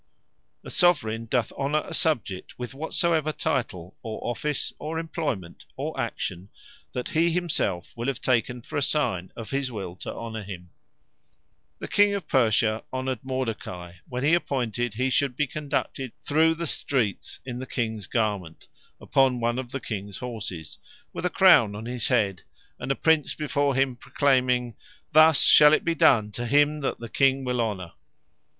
A Soveraigne doth Honour a Subject, with whatsoever Title, or Office, or Employment, or Action, that he himselfe will have taken for a signe of his will to Honour him. The King of Persia, Honoured Mordecay, when he appointed he should be conducted through the streets in the Kings Garment, upon one of the Kings Horses, with a Crown on his head, and a Prince before him, proclayming, "Thus shall it be done to him that the King will honour."